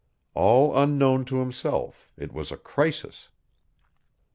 All unknown to himself it was a crisis.